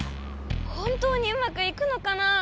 本当にうまくいくのかなあ。